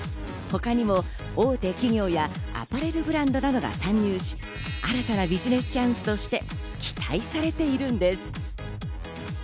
他にも大手企業やアパレルブランドなどが参入し、新たなビジネスチャンスとして期待されているんです。